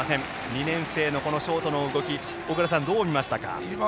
２年生のショートの動き小倉さん、どう見ましたか？